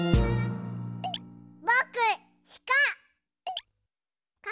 ぼくしか！